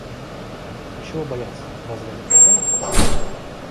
Чего бояться? Разве они кусаются?